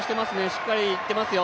しっかりといっていますよ。